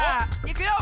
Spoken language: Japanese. いくよ！